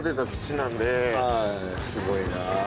すごいなぁ。